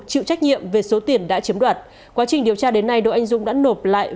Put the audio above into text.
chịu trách nhiệm về số tiền đã chiếm đoạt quá trình điều tra đến nay đỗ anh dũng đã nộp lại